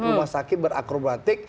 rumah sakit berakrobatik